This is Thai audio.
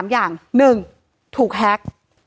๓อย่าง๑ถูกแฮ็ก